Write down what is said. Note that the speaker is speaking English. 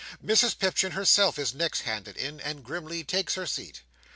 Mrs Pipchin herself is next handed in, and grimly takes her seat.